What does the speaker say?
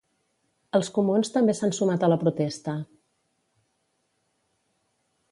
Els comuns també s'han sumat a la protesta.